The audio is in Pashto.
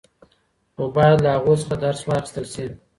خو باید له هغو څخه درس واخیستل سي.